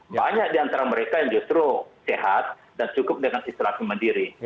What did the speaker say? banyak di antara mereka yang justru sehat dan cukup dengan istirahatnya mandiri